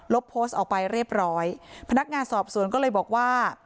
โพสต์ออกไปเรียบร้อยพนักงานสอบสวนก็เลยบอกว่า